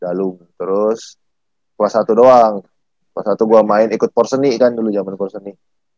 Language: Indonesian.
galung terus kelas satu doang kelas satu gue main ikut porseni kan dulu zaman porseni